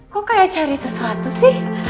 kok kayak cari sesuatu sih